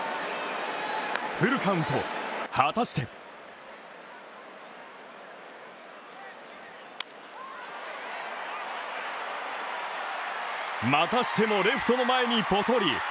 フルカウント果たしてまたしてもレフトの前にポトリ。